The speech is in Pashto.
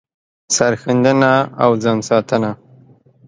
سر ښندنه او ځان ساتنه